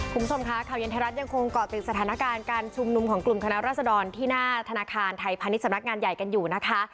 คุณผู้ชมค่ะข่าวเย็นไทยรัฐยังคงเกาะติดสถานการณ์การชุมนุมของกลุ่มคณะรัศดรที่หน้าธนาคารไทยพาณิชยสำนักงานใหญ่กันอยู่นะคะ